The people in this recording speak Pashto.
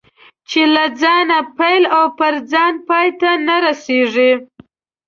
چې له ځانه پیل او پر ځان پای ته نه رسېږي.